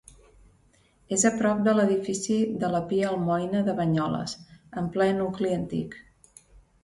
És a prop de l'edifici de la Pia Almoina de Banyoles, en ple nucli antic.